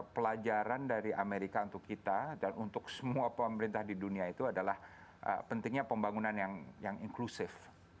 pelajaran dari amerika untuk kita dan untuk semua pemerintah di dunia itu adalah pentingnya pembangunan yang inklusif